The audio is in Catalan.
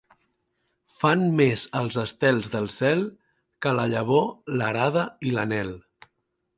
Fan més els estels del cel que la llavor, l'arada i l'anhel.